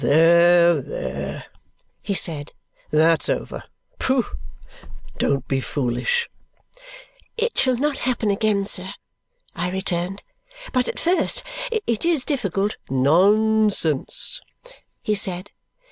"There! There!" he said. "That's over. Pooh! Don't be foolish." "It shall not happen again, sir," I returned, "but at first it is difficult " "Nonsense!" he said.